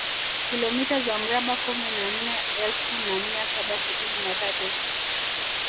Kilomita za mraba kumi na nne elfu na mia saba sitini na tatu